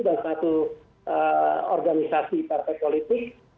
dan satu organisasi partai politik